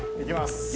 いきます。